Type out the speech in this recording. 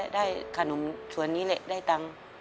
ได้ขนมส่วนนี้แหละได้ตังค์